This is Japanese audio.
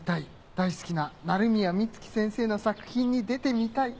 大好きな鳴宮美月先生の作品に出てみたい」。